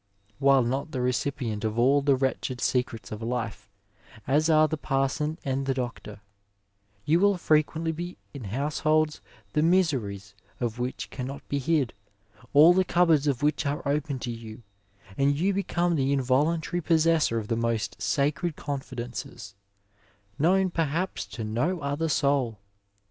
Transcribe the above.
While not the recipient of all the wretched secrets of life, as are the parson and the doctor, you will frequently be in households the miseries of which cannot be hid^ aQ the cupboards of which are open to you, and you become the involuntary possessor of the most sacred confidences, known perhaps to no other soul.